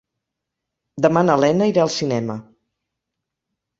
Demà na Lena irà al cinema.